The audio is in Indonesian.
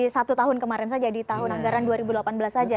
satu tahun kemarin saja di tahun anggaran dua ribu delapan belas saja